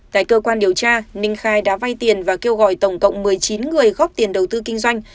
tại cơ quan điều tra ninh khai đã vay tiền và kêu gọi tổng cộng một mươi chín người góp tiền đầu tư kinh doanh